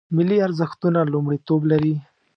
ملي ارزښتونه لومړیتوب لري